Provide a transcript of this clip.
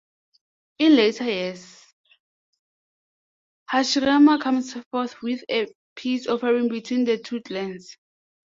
In later years, Hashirama comes forth with a peace offering between the two clans.